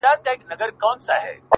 تا چي نن په مينه راته وكتل؛